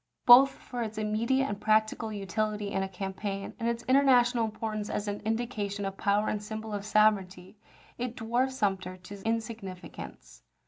Both for its immediate and practical utility in a campaign, and its international importance as an indication of power and symbol of sovereignty, it dwarfed Sumter to insignificance.